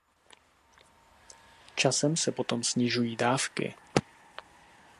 Časem se potom snižují dávky.